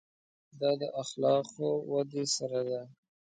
دا د اخلاقو ودې سره ده.